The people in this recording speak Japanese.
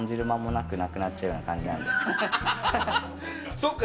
そっか！